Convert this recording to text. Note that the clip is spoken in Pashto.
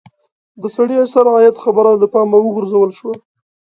د سړي سر عاید خبره له پامه وغورځول شوه.